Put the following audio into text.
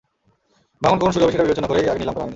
ভাঙন কখন শুরু হবে সেটা বিবেচনা করেই আগে নিলাম করা হয়নি।